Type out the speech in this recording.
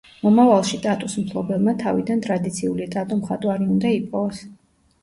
მომავალში ტატუს მფლობელმა თავიდან ტრადიციული ტატუ მხატვარი უნდა იპოვოს.